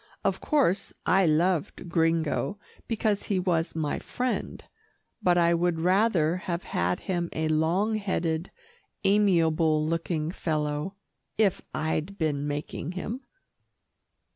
Of course, I loved Gringo because he was my friend, but I would rather have had him a long headed, amiable looking fellow, if I'd been making him.